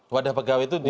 wadah pegawai itu di